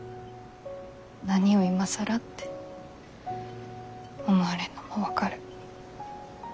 何を今更って思われんのも分かる。